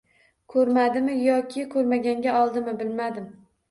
Ko`rmadimi yoki ko`rmaganga oldimi bilmadim